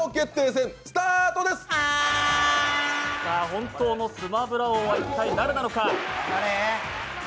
本当のスマブラ王は一体誰なのか。